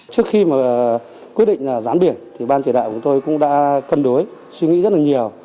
trước khi mà quyết định gián biển thì ban chỉ đạo của tôi cũng đã cân đối suy nghĩ rất là nhiều